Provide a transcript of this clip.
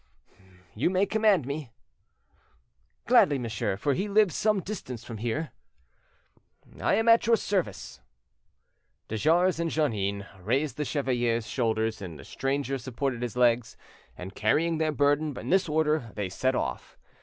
"You may command me." "Gladly, monsieur; for he lives some distance from here." "I am at your service." De Jars and Jeannin raised the chevalier's shoulders, and the stranger supported his legs, and carrying their burden in this order, they set off.